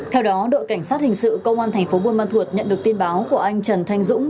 theo đó đội cảnh sát hình sự công an tp bùi ma thuật nhận được tin báo của anh trần thanh dũng